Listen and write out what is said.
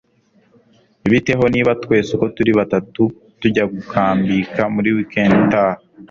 bite ho niba twese uko turi batatu tujya gukambika muri weekend itaha